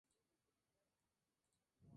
Zilla Jr.